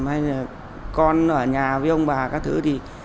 hay là con ở nhà với ông bà các thứ thì